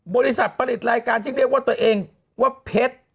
บริษัทผลิตรายการที่เรียกว่าตัวเองว่าเพชร